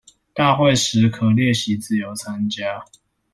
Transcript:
大會時可列席自由參加